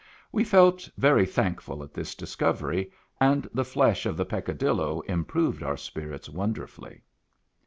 We felt very thankful at this discovery, and the flesh of the Peccadillo improved our spirits wonderfully.